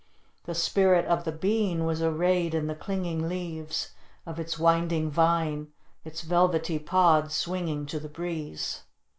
The Spirit of the Bean was arrayed in the clinging leaves of its winding vine, its velvety pods swinging to the breeze.